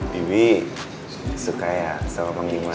bibik suka ya nelfon pang diman